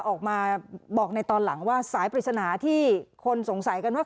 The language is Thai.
ออกมาบอกในตอนหลังว่าสายปริศนาที่คนสงสัยกันว่า